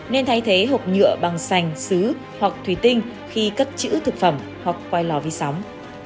nên thay thế hộp nhựa bằng sành xứ hoặc thủy tinh khi cất chữ thực phẩm hoặc quay lò vi sóng